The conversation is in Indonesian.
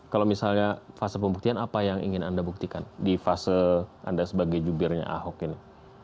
kalau misalnya fase pembuktian apa yang ingin anda buktikan di fase anda sebagai jubirnya ahok ini